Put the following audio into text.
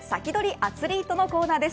アツリートのコーナーです。